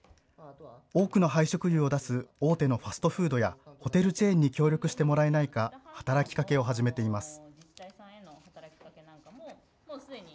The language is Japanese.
多くの廃食油を出す大手のファストフードやホテルチェーンに協力してもらえないか働きかけを始めています。